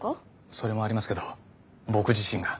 それもありますけど僕自身が。